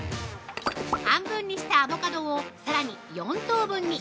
◆半分にしたアボカドをさらに４等分に。